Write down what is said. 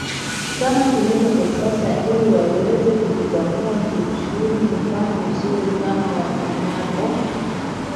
kama kilimo cha kisasa ili waweze kujikwamua kiuchumi Mfano mzuri ni kama wafanyavo